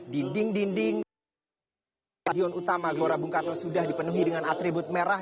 dinding dinding stadion utama gelora bung karno sudah dipenuhi dengan atribut merah